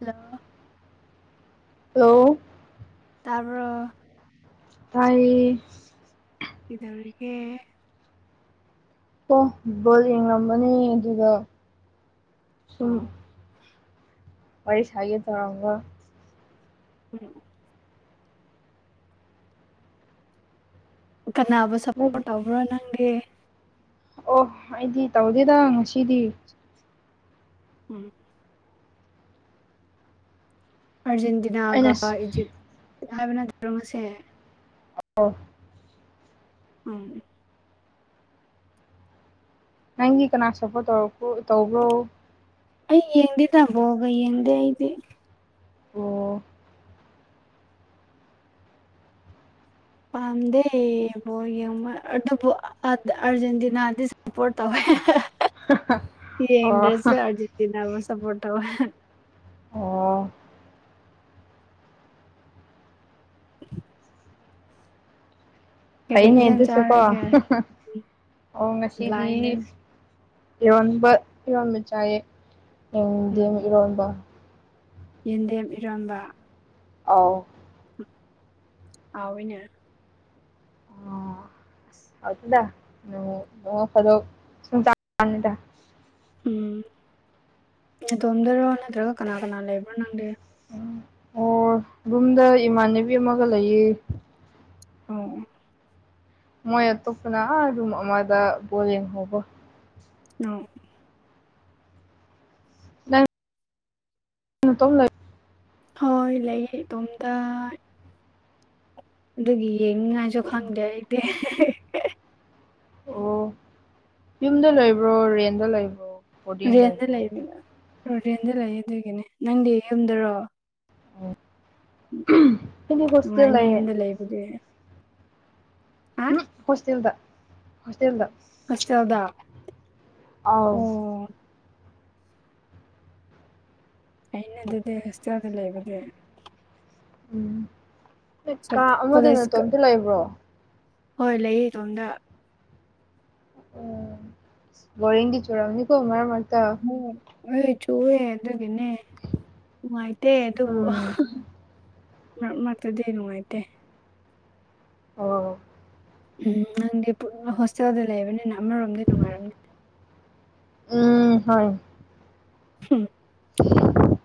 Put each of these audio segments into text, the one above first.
hello hello ꯇꯥꯕ꯭ꯔꯣ ꯇꯥꯏꯌꯦ ꯀꯩꯗꯧꯔꯤꯒꯦ ꯑꯣ ꯕꯣꯜ ꯌꯦꯡꯉꯝꯕꯅꯦ ꯑꯗꯨꯗ ꯁꯨꯝ ꯑꯣ ꯋꯥꯔꯤ ꯁꯥꯒꯦ ꯇꯧꯔꯝꯕ [unintelligible] ꯀꯅꯥꯕꯨ ꯅꯪ ꯁꯞꯄꯣꯔꯠ ꯇꯧꯕ꯭ꯔꯣ ꯅꯪꯗꯤ ꯑꯣ ꯑꯩꯗꯤ ꯇꯧꯗꯦꯗ ꯉꯁꯤꯗꯤ ꯎꯝ ꯑꯩꯅ ꯑꯥꯔꯖꯦꯟꯇꯤꯅꯥꯒ ꯏꯖꯤꯞ ꯍꯥꯏꯕ ꯅꯠꯇ꯭ꯔꯣ ꯉꯁꯤ [unintelligible] ꯎꯝ ꯅꯪꯒꯤ ꯀꯅꯥ ꯁꯞꯄꯣꯔꯠ ꯇꯧꯔꯛꯄ꯭ꯔꯣ ꯇꯧꯕ꯭ꯔꯣ ꯑꯩ ꯌꯦꯡꯗꯦꯗ ꯕꯣꯜꯒ ꯌꯦꯡꯗꯦ ꯑꯩꯗꯤ ꯑꯣ ꯄꯥꯝꯗꯦ ꯕꯣꯔ ꯌꯦꯡꯕ ꯑꯗꯨꯕꯨ ꯑꯗ ꯑꯔꯖꯦꯟꯇꯤꯅꯥꯗꯤ ꯁꯄꯣꯠ ꯇꯧꯋꯦ ꯑꯣ ꯌꯦꯡꯗ꯭ꯔꯥꯁꯨ ꯑꯔꯖꯦꯟꯇꯤꯅꯥꯕꯨ ꯁꯄꯣꯔꯠ ꯇꯧꯋꯦ ꯑꯣ [inaudible] ꯀꯔꯤ ꯐꯩꯅꯦ ꯍꯤꯟꯖꯥꯡ ꯑꯗꯨꯁꯨꯀꯣ ꯆꯥꯔꯒꯦ ꯑꯣ ꯉꯁꯤꯗꯤ ꯕ꯭ꯂꯥꯏꯟꯗꯅꯦ ꯏꯔꯣꯟꯕ ꯏꯔꯣꯟꯕ ꯆꯥꯏꯌꯦ ꯎꯝ ꯌꯦꯟꯗꯦꯝ ꯏꯔꯣꯟꯕ ꯌꯦꯟꯗꯦꯝ ꯏꯔꯣꯝꯕ ꯑꯥꯎ ꯍꯥꯎꯋꯤꯅꯦ ꯑꯣ [unintelligible] ꯎꯝ ꯅꯇꯣꯝꯗꯔꯣ ꯅꯠꯇ꯭ꯔꯒ ꯀꯅꯥ ꯀꯅꯥ ꯂꯩꯕ꯭ꯔꯣ ꯅꯪꯗꯤ ꯎꯝ ꯑꯣ ꯔꯨꯝꯗ ꯏꯃꯥꯟꯅꯕꯤ ꯑꯃꯒ ꯂꯩꯌꯦ ꯑꯣ ꯃꯣꯏ ꯑꯇꯣꯞꯄꯅ ꯑꯥ ꯔꯨꯝ ꯑꯃꯗ ꯕꯣꯜ ꯌꯦꯡꯍꯧꯕ ꯅꯣꯡ ꯅꯪ ꯅꯇꯣꯝ ꯂꯩ ꯍꯣꯏ ꯂꯩꯌꯦ ꯏꯇꯣꯝꯇ ꯑꯗꯨꯒꯤ ꯌꯦꯡꯅꯤꯉꯥꯏꯁꯨ ꯈꯪꯗꯦ ꯑꯩꯗꯤ ꯑꯣ ꯌꯨꯝꯗ ꯂꯩꯕ꯭ꯔꯣ ꯔꯦꯟꯗ ꯂꯩꯕ꯭ꯔꯣ ꯕꯣꯔꯗꯤꯡ ꯔꯦꯟꯗ ꯂꯩꯕ꯭ꯔꯣ ꯂꯩꯕꯅꯦ ꯔꯦꯟꯗ ꯂꯩꯌꯦ ꯑꯗꯨꯒꯤꯅꯦ ꯅꯪꯗꯤ ꯌꯨꯝꯗꯔꯣ ꯑꯝ ꯑꯩꯗꯤ ꯍꯣꯁꯇꯦꯜ ꯅꯨꯡꯉꯥꯏꯅꯤ ꯂꯩꯏꯌꯦ ꯌꯨꯝꯗ ꯂꯩꯕꯗꯤ ꯍꯥ ꯎꯝ ꯍꯣꯁꯇꯦꯜꯗ ꯍꯣꯁꯇꯦꯜꯗ ꯍꯣꯁꯇꯦꯜꯗ ꯑꯧ ꯑꯣ ꯐꯩꯅꯦ ꯑꯗꯨꯗꯤ ꯍꯣꯁꯇꯦꯜꯗ ꯂꯩꯔꯗꯤ ꯎꯝ ꯁꯠ ꯀꯥ ꯑꯃꯗ ꯀꯣꯂꯦꯖ ꯀ ꯅꯇꯣꯝꯇ ꯂꯩꯕ꯭ꯔꯣ ꯍꯣꯏ ꯂꯩꯌꯦ ꯏꯇꯣꯝꯗ ꯑꯣ ꯕꯣꯔꯤꯡꯗꯤ ꯆꯨꯔꯝꯅꯤꯀꯣ ꯃꯔꯛ ꯃꯔꯛꯇ ꯎꯝ ꯍꯣꯏ ꯆꯨꯏꯌꯦ ꯑꯗꯨꯒꯤꯅꯦ ꯅꯨꯡꯉꯥꯏꯇꯦ ꯑꯗꯨꯕꯨ ꯎꯝ ꯃꯔꯛ ꯃꯔꯛꯇꯗꯤ ꯅꯨꯡꯉꯥꯏꯇꯦ ꯑꯣ ꯎꯝ ꯅꯪꯗꯤ ꯄꯨꯟꯅ ꯍꯣꯁꯇꯦꯜꯗ ꯂꯩꯕꯅꯤꯅ ꯑꯃꯔꯣꯝꯗ ꯅꯨꯡꯉꯥꯏꯔꯝꯅꯤ ꯎꯝ ꯍꯣꯏ ꯎꯝ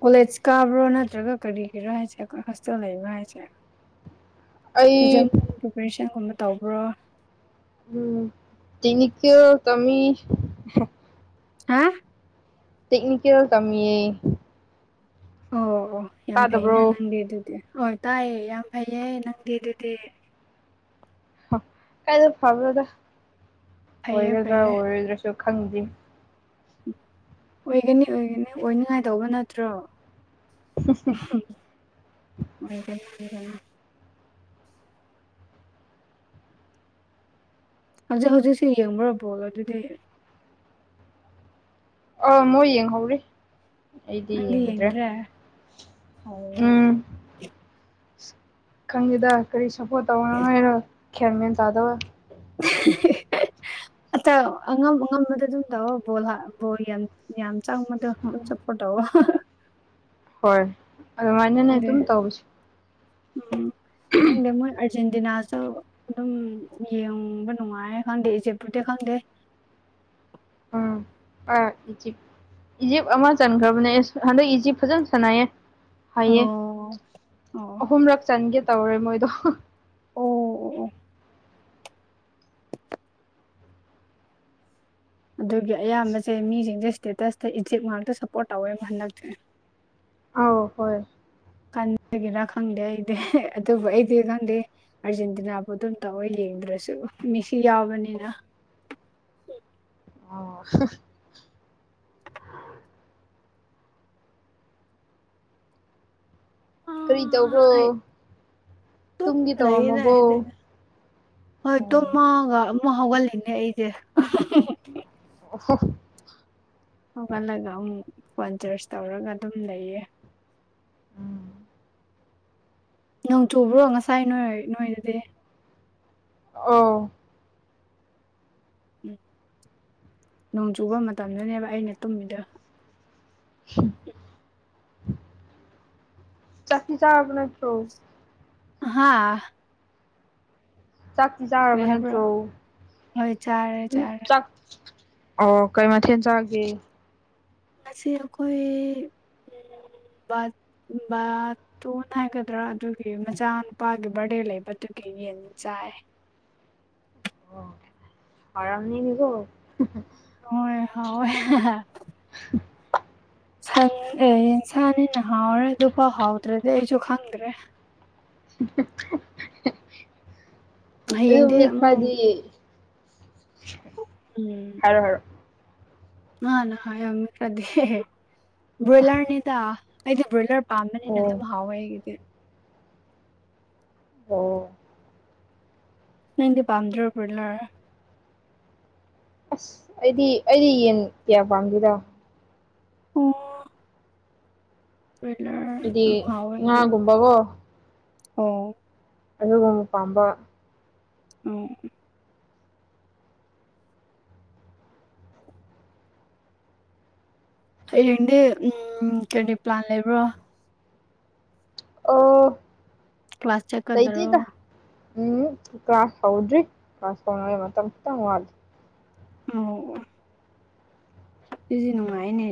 ꯀꯣꯂꯦꯖ ꯀꯥꯕ꯭ꯔꯣ ꯅꯠꯇ꯭ꯔꯒ ꯀꯔꯤꯒꯤꯔ ꯍꯥꯏꯁꯦ ꯑꯩꯈꯣꯏ ꯍꯣꯁꯇꯦꯜ ꯂꯩꯕꯔꯥ ꯍꯥꯏꯁꯦ ꯑꯩ ꯏꯛꯖꯥꯥꯝ ꯑꯣꯄꯔꯦꯁꯟꯒꯨꯝꯕ ꯇꯧꯕ꯭ꯔꯣ ꯎꯝ ꯇꯦꯛꯅꯤꯀꯦꯜ ꯇꯝꯃꯤ ꯍꯥ ꯇꯦꯛꯅꯤꯀꯦꯜ ꯇꯝꯃꯤꯌꯦ ꯑꯣ ꯑꯣ ꯌꯥꯝ ꯐꯩꯅꯦ ꯇꯥꯗꯕ꯭ꯔꯣ ꯅꯪꯗꯤ ꯑꯗꯨꯗꯤ ꯍꯣꯏ ꯇꯥꯏꯌꯦ ꯌꯥꯝ ꯐꯩꯌꯦ ꯅꯪꯗꯤ ꯑꯗꯨꯗꯤ ꯀꯥꯏꯗꯩ ꯐꯕꯅꯣꯗ ꯐꯩꯌꯦ ꯑꯣꯏꯒꯗ꯭ꯔꯥ ꯐꯩꯌꯦ ꯑꯣꯏꯔꯣꯏꯗ꯭ꯔꯥꯁꯨ ꯈꯪꯗꯦ ꯑꯣꯏꯒꯅꯤ ꯑꯣꯏꯒꯅꯤ ꯑꯣꯏꯅꯤꯉꯥꯏ ꯇꯧꯕ ꯅꯠꯇ꯭ꯔꯣ ꯒꯇꯔ ꯍꯧꯖꯤꯛ ꯍꯧꯖꯤꯛꯁꯨ ꯌꯦꯡꯕ꯭ꯔꯥ ꯕꯣꯜ ꯑꯗꯨꯗꯤ ꯑꯧ ꯃꯣꯏ ꯌꯦꯡꯍꯧꯔꯤ ꯑꯩꯗꯤ ꯌꯦꯡꯗ꯭ꯔꯦ ꯑꯣ ꯎꯝ ꯈꯪꯗꯦꯗ ꯀꯔꯤ ꯁꯄꯣꯔꯠ ꯇꯧꯕꯅꯣ ꯍꯥꯏꯔꯣ ꯒꯌ꯭ꯥꯟ ꯃꯦꯟ ꯇꯥꯗꯕ [inaudible] ꯑꯆꯧ ꯑꯉꯝ ꯑꯉꯝꯕꯗ ꯑꯗꯨꯝ ꯇꯧꯑꯣ ꯕꯣꯜ ꯕꯣꯜ ꯌꯥꯝ [inaudible] ꯌꯥꯝ ꯆꯪꯕꯗꯣ ꯑꯗꯨꯝ ꯁꯞꯄꯣꯔꯠ ꯇꯧꯑꯣ ꯍꯣꯏ ꯑꯗꯨꯃꯥꯏꯅꯅꯦ ꯑꯗꯨ ꯑꯗꯨꯝ ꯇꯧꯕꯁꯤ ꯎꯝ ꯈꯪꯗꯦ [inaudible] ꯑꯔꯖꯦꯟꯇꯤꯅꯥꯁꯨ ꯑꯗꯨꯝ ꯌꯦꯡꯕ ꯅꯨꯡꯉꯥꯏ ꯈꯪꯗꯦ ꯏꯖꯤꯞꯄꯨꯗꯤ ꯈꯪꯗꯦ ꯎꯝ ꯑ ꯏꯖꯤꯞ [inaudible] ꯏꯖꯤꯞ ꯑꯃ ꯆꯟꯈ꯭ꯔꯕꯅꯦ ꯏꯁ ꯍꯟꯗꯛ ꯏꯖꯤꯞ ꯐꯖꯅ ꯁꯥꯟꯅꯩꯌꯦ ꯍꯥꯏꯌꯦ ꯑꯣ ꯑꯣ ꯑꯍꯨꯝꯔꯛ ꯆꯟꯒꯦ ꯇꯧꯔꯦ ꯃꯣꯏꯗꯣ ꯑꯣ ꯑꯣ ꯑꯣ ꯑꯗꯨꯒꯤ ꯑꯌꯥꯝꯕꯁꯦ ꯃꯤꯁꯤꯡꯁꯦ ꯏꯁꯇꯦꯇꯁꯇ ꯏꯖꯤꯄ ꯉꯥꯛꯇ ꯁꯄꯣꯔꯠ ꯇꯧꯋꯦꯕ ꯍꯟꯗꯛꯇꯤ ꯑꯧ ꯍꯣꯏ ꯈꯟꯕꯒꯤꯔꯥ ꯈꯪꯗꯦ ꯑꯩꯗꯤ ꯑꯗꯨꯕꯨ ꯑꯩꯗꯤ ꯈꯪꯗꯦ ꯑꯥꯔꯖꯦꯟꯇꯤꯅꯥꯕꯨ ꯑꯗꯨꯝ ꯇꯧꯏ ꯌꯦꯡꯗ꯭ꯔꯁꯨ ꯃꯦꯁꯤ ꯌꯥꯎꯕꯅꯤꯅ ꯑꯣ [inaudible] ꯀꯔꯤ ꯇꯧꯕ꯭ꯔꯣ ꯑꯩ ꯇꯨꯝ ꯇꯨꯝꯒꯦ ꯂꯩꯌꯦꯗ ꯇꯧꯔꯝꯃꯕꯣ ꯑꯩꯗꯤ ꯍꯣꯏ ꯑꯣ ꯇꯨꯝꯃꯒ ꯑꯃꯨꯛ ꯑꯃꯨꯛ ꯍꯧꯒꯠꯂꯤꯅꯦ ꯑꯩꯗꯤ ꯑꯣꯍꯣ ꯍꯧꯒꯠꯂꯒ ꯑꯃꯨꯛ ꯐꯣꯟ ꯆꯥꯔ꯭ꯁ ꯇꯧꯔꯒ ꯑꯗꯨꯝ ꯂꯩꯌꯦ ꯅꯣꯡ ꯆꯨꯕ꯭ꯔꯣ ꯉꯁꯥꯏ ꯅꯣꯏ ꯅꯣꯏꯗꯗꯤ ꯑꯣ ꯎꯝ ꯅꯣꯡ ꯆꯨꯕ ꯃꯇꯝꯗꯨꯅꯦꯕ ꯑꯩꯅ ꯇꯨꯝꯃꯤꯗ [unintelligible] ꯆꯥꯛꯔꯤ ꯆꯥꯕꯅ ꯅꯠꯇꯔꯣ ꯍꯥꯥ ꯆꯥꯛꯇꯤ ꯀꯔꯤ ꯆꯥꯔꯕ ꯍꯥꯏꯕ꯭ꯔꯣ ꯅꯠꯇ꯭ꯔꯣ ꯍꯣꯏ ꯆꯥꯔꯦ ꯎ ꯆꯥꯔꯦ ꯆꯥꯛ ꯑꯣ ꯀꯩ ꯃꯊꯦꯜ ꯆꯒꯦ ꯃꯁꯤ ꯑꯩꯈꯣꯏ [unintelligible] ꯇꯨꯅ ꯍꯥꯏꯒꯗ꯭ꯔꯥ ꯑꯗꯨꯒꯤ ꯃꯆꯥꯅꯨꯄꯥꯒꯤ ꯕꯥꯔꯗꯦ ꯂꯩꯕꯗꯨꯒꯤ ꯌꯦꯟ ꯆꯥꯏ ꯑꯔꯝꯅꯤ ꯃꯤꯀꯣ ꯍꯣꯏ ꯍꯥꯎꯋꯦ ꯍꯦ ꯍꯦ ꯁꯟ ꯑꯦ ꯁꯥꯅꯤꯅ ꯍꯥꯎꯔꯦ ꯑꯗꯨ ꯐꯥꯎ ꯍꯥꯎꯗ꯭ꯔꯗꯤ ꯑꯩꯁꯨ ꯈꯪꯗ꯭ꯔꯦ ꯑꯗꯨ ꯍꯌꯦꯡꯗꯤ ꯃꯤ ꯈꯔꯗꯤ ꯑꯃꯨꯛ [unintelligible] ꯎꯝ ꯍꯥꯏꯔꯣ ꯍꯥꯏꯔꯣ [unintelligible] ꯕꯣꯏꯂꯔꯅꯤꯗ ꯑꯩꯗꯤ ꯭ꯕꯣꯏꯂꯔ ꯄꯝꯕꯅꯤꯅ ꯑꯣ ꯑꯗꯨꯡ ꯍꯥꯥꯎꯋꯦ ꯑꯩꯒꯤꯗꯤ ꯑꯣ ꯅꯪꯗꯤ ꯄꯕꯥꯝꯗ꯭ꯔꯣ ꯕꯣꯔꯂꯔ ꯑꯁ ꯑꯩꯗꯤ ꯑꯩꯗꯤ ꯌꯦꯟ ꯀꯌꯥ ꯄꯥꯝꯗꯦꯗꯥ ꯑꯣ ꯑꯣꯏꯂꯔ ꯍꯥꯏꯗꯤ ꯉꯥꯒꯨꯝꯕꯕꯣ ꯑꯣ ꯑꯗꯨꯒꯨꯝ ꯄꯥꯝꯕ ꯑꯣ ꯍꯌꯦꯡꯗꯤ ꯎꯝ ꯀꯩꯔꯤ ꯄ꯭ꯂꯥꯟ ꯂꯩꯕ꯭ꯔꯣ ꯑꯣ ꯀ꯭ꯂꯥꯁ ꯆꯠꯀꯗꯔꯣ ꯂꯩꯇꯦꯗ ꯎꯝ ꯀ꯭ꯂꯥꯁ ꯍꯧꯗ꯭ꯔꯤ ꯀ꯭ꯂꯥꯁ ꯍꯧꯅꯉꯩ ꯃꯇꯝ ꯈꯤꯇꯪ ꯋꯥꯠꯂꯤ ꯑꯣ ꯖꯤꯗꯤ ꯅꯨꯡꯉ ꯍꯥꯏꯅꯦ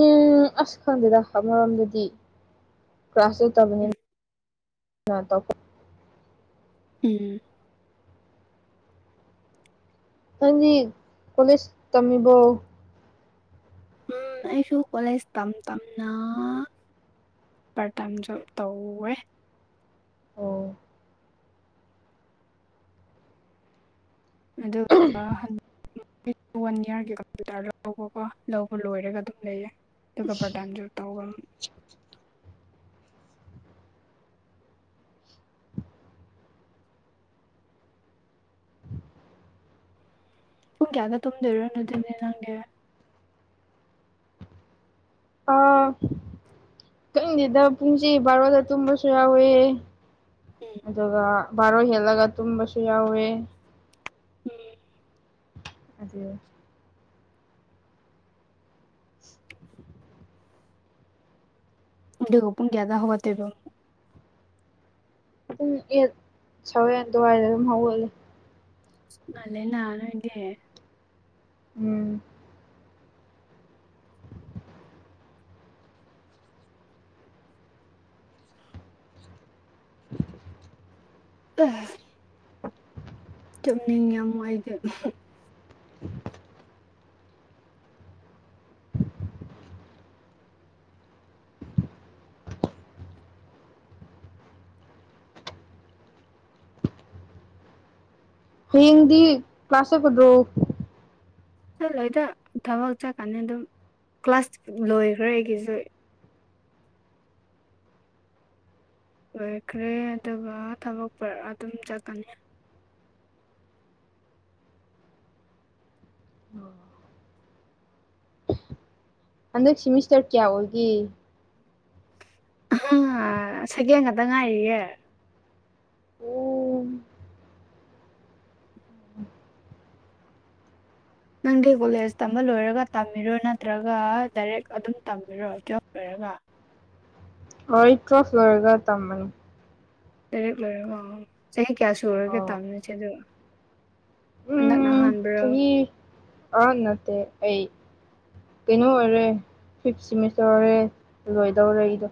ꯎꯝ ꯑꯁ ꯈꯪꯗꯦꯗ ꯑꯃꯔꯣꯝꯗꯗꯤ ꯀ꯭ꯂꯥꯁ ꯌꯇꯕꯅꯤꯅ ꯎꯝ ꯅ [unintelligible] ꯎꯝ ꯅꯪꯗꯤ ꯀꯣꯂꯦꯖ ꯇꯝꯃꯤꯕꯣ ꯎꯝ ꯑꯩꯁꯨ ꯀꯣꯂꯦꯖ ꯇꯝ ꯇꯝꯅ ꯄꯥꯔꯠ ꯇꯥꯏꯝ ꯖꯣꯕ ꯇꯧꯋꯦ ꯑꯣ ꯑꯗꯨꯒ [unintelligible] ꯋꯥꯟ ꯌꯌꯥꯔꯒꯤ ꯀꯝꯄꯌꯨꯇꯔ ꯂꯧꯕꯀꯣ ꯂꯧꯕ ꯂꯣꯏꯔꯒ ꯑꯗꯨꯝ ꯂꯩꯌꯦ ꯑꯗꯨ ꯀꯄꯔ ꯇꯥꯏꯝꯁꯨꯣꯛ ꯇ ꯍꯒ ꯄꯨꯡ ꯀꯌꯥꯒ ꯇꯨꯝꯗꯦꯔꯣ ꯑꯗꯨꯗꯤ ꯅꯪꯗꯤ ꯑꯥ ꯈꯪꯗꯦꯗ ꯄꯨꯡꯁꯤ ꯕꯥꯔꯣꯗ ꯇꯨꯝꯕꯁꯨ ꯌꯥꯎꯋꯦ ꯎꯝ ꯑꯗꯨꯒ ꯕꯔꯣ ꯍꯦꯂꯒ ꯇꯨꯝꯁꯨ ꯌꯥꯎꯋꯦ ꯎꯝ [unintelligible] ꯑꯗꯨꯒ ꯄꯨꯡ ꯀꯌꯗꯥ ꯍꯧꯒꯠ ꯇꯣꯏꯕ ꯑꯗꯨꯝ ꯌꯦꯠ ꯁꯋꯦꯟ ꯑꯗꯨꯋꯥꯏꯗ ꯑꯗꯨꯝ ꯍꯧꯒꯠꯂ ꯃꯂꯦ ꯅꯥꯟ ꯏꯦ ꯎꯝ ꯎꯝ ꯆꯨꯝꯅꯤꯡ ꯌꯥꯝꯅꯨꯡꯏꯗꯤ ꯍꯌꯦꯡꯗꯤ ꯀ꯭ꯂꯥꯁ ꯆꯠꯀꯗ꯭ꯔꯣ ꯆꯠꯂꯣꯏꯗ ꯊꯕꯛ ꯆꯠꯀꯅꯤ ꯑꯗꯨꯝ ꯀ꯭ꯂꯥꯁ ꯂꯣꯏꯈ꯭ꯔꯦ ꯑꯩꯒꯤꯁꯨ ꯂꯣꯏꯈ꯭ꯔꯦ ꯑꯗꯨꯒ ꯊꯕꯛ ꯑꯗꯨꯝ ꯆꯠꯀꯅꯤ ꯍꯟꯗꯛ ꯁꯤꯦꯃꯤꯁꯇꯔ ꯀꯌꯥ ꯑꯣꯏꯒꯦ ꯁꯒꯦꯝ ꯈꯇ ꯉꯥꯏꯔꯤꯌꯦꯦ ꯑꯣ ꯅꯪꯗꯤ ꯀꯣꯂꯦꯖ ꯇꯝꯕ ꯂꯣꯏꯔꯒ ꯇꯝꯃꯤꯔꯣ ꯅꯠꯇ꯭ꯔꯒ ꯗꯥꯏꯔꯦꯛ ꯑꯗꯨꯝ ꯇꯝꯕꯤꯔꯣ ꯇꯌꯦꯞ ꯂꯣꯏꯔꯒ ꯑꯣꯔ ꯀ꯭ꯔꯣꯐ ꯑꯣꯏꯔꯒ ꯇꯝꯃꯅꯤ ꯇꯔꯦꯠ ꯂꯣꯏꯔꯒ ꯆꯍꯤ ꯀꯌꯥ ꯁꯨꯔꯒꯦ ꯑꯣ ꯇꯥꯃꯤꯅꯁꯦ ꯑꯗꯨ ꯍꯟꯗꯛꯅ ꯎꯝ ꯑꯍꯥꯟꯕ꯭ꯔꯣ ꯆꯍꯤ ꯑꯥ ꯅꯠꯇꯦ ꯑꯩ ꯀꯩꯅꯣ ꯑꯣꯏꯔꯦ ꯐꯤꯞ ꯁꯤꯦꯃꯤꯁꯇꯔ ꯑꯣꯏꯔꯦ ꯂꯣꯏꯗꯧꯔꯦ ꯑꯩꯗꯣ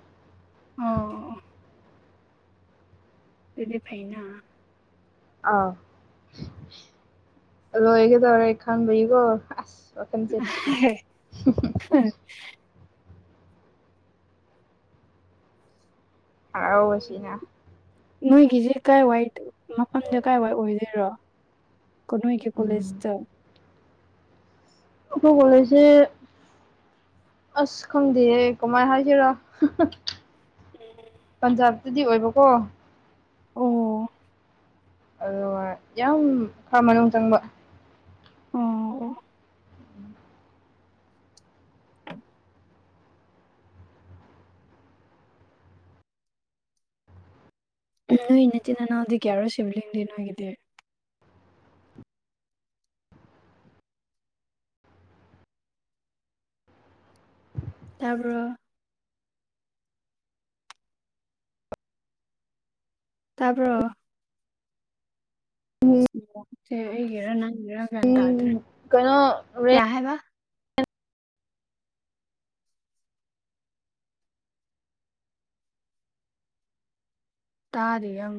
ꯑꯣ ꯑꯗꯨꯗꯤ ꯐꯥꯏꯅ ꯑ ꯂꯣꯏꯒꯦ ꯇꯧꯔꯦ ꯏ ꯈꯥꯟ ꯍꯤꯒꯣ ꯎ ꯍꯔꯥꯎꯕꯁꯤꯅ ꯅꯣꯏꯒꯤꯁꯦ ꯀꯥꯏ ꯋꯥꯏ ꯃꯐꯝꯁ ꯀꯥꯏꯋꯥꯏ ꯑꯣꯏꯗꯣꯏꯔꯣ ꯀꯣ ꯏ ꯀꯦ ꯎꯝ ꯀꯣꯂꯦꯖꯇ ꯑꯩꯣ ꯀꯂꯁ ꯑꯁ ꯈꯪꯗꯦꯌꯦ ꯀꯃꯥꯏꯅ ꯍꯥꯏꯁꯤꯔ ꯄꯟꯖꯥꯕꯇꯗꯤ ꯑꯣꯏꯕꯀꯣ ꯑꯣ ꯑꯗꯨꯒ ꯌꯥꯝ ꯈꯔ ꯃꯅꯨꯡ ꯆꯪꯕ ꯑꯣ ꯑꯣ ꯅꯣꯏ ꯏꯆꯤꯟ ꯏꯅꯥꯎꯗꯤ ꯀꯌꯥꯔꯣꯏ ꯁꯤꯕꯂꯤꯡꯗꯤ ꯅꯣꯏꯒꯤꯗꯤ ꯇꯥꯄ ꯇꯥꯔꯕ꯭ꯔꯣ ꯎꯝ ꯑꯩꯒꯦꯔ ꯅꯪ ꯏꯔꯒꯗꯥ꯭ꯔꯦ ꯀꯩꯅꯣ ꯍꯥꯏꯦꯕ ꯇꯥꯔꯤ ꯑꯪ